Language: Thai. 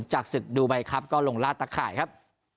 จากศึกดูไบครับก็ลงลาดตะข่ายครับ